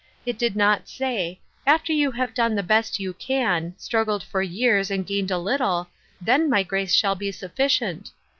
It did not say, * After you have done the best you can — struggled for years and gained a lit tie — then my grace shall be sufficient.'